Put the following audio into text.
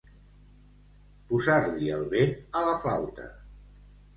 Posar-li el vent a la flauta.